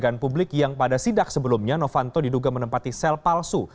pertanyaan publik yang pada sidak sebelumnya novanto diduga menempati sel palsu